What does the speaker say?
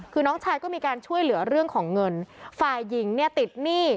คือน้องชายก็มีการช่วยเหลือเรื่องของเงินฝ่ายหญิงเนี่ยติดหนี้